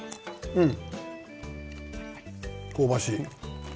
うん。